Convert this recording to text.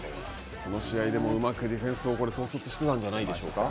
この試合でも、うまくディフェンスを統率していたんじゃないでしょうか。